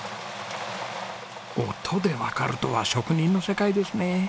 音でわかるとは職人の世界ですね。